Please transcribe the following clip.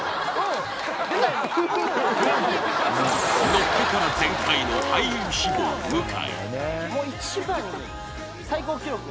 のっけから全開の俳優志望向井